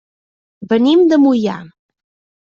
Venim de Moià.